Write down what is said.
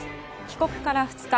帰国から２日。